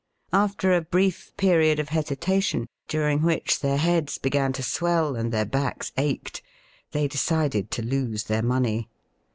After a brief period of hesita tion, during which their heads began to swell and their backs ached, they decided to lose their money.